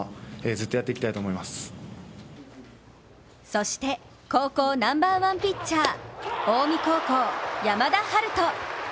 そして、高校ナンバーワンピッチャー、近江高校・山田陽翔。